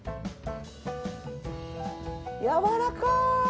やわらかい！